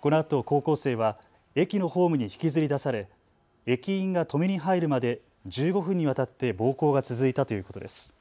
このあと高校生は駅のホームに引きずり出され駅員が止めに入るまで１５分にわたって暴行が続いたということです。